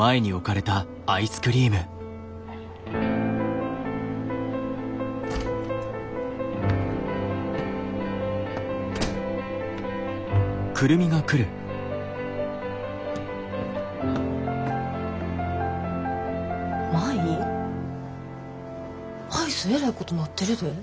アイスえらいことなってるで。